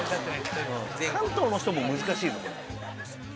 関東の人も難しいぞ。